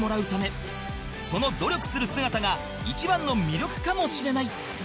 その努力する姿が一番の魅力かもしれない